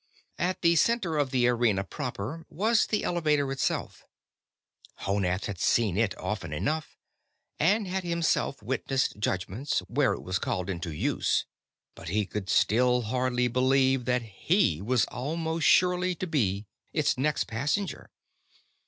At the center of the arena proper was the Elevator itself. Honath had seen it often enough, and had himself witnessed Judgments where it was called into use, but he could still hardly believe that he was almost surely to be its next passenger.